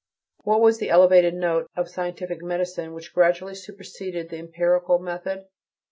What was the elevated note of scientific medicine which gradually superseded the empirical method?